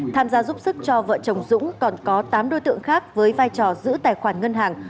tham gia giúp sức cho vợ chồng dũng còn có tám đối tượng khác với vai trò giữ tài khoản ngân hàng